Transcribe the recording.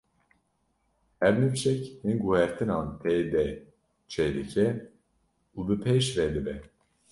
Her nifşek, hin guhertinan tê de çêdike û bi pêş ve dibe.